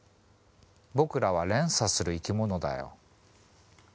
僕らは連鎖する生き物だよ